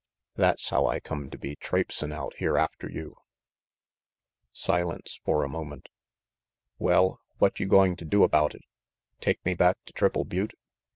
That's how I come to be traipsin' out here after you." Silence for a moment. "Well, what you going to do about it? Take me back to Triple Butte?